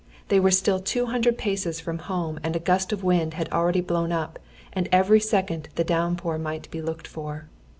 They were still two hundred paces from home and a gust of wind had already blown up, and every second the downpour might be looked for.